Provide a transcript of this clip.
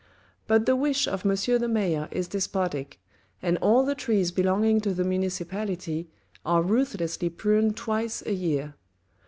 But the wish of M. the mayor is despotic, and all the trees belonging to the municipality are ruthlessly pruned twice a year.